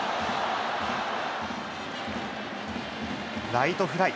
ライトフライ。